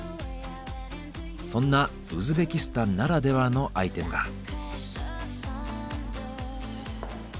そんなウズベキスタンならではのアイテムが。